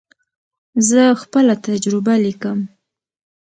زه خپله تجربه لیکم.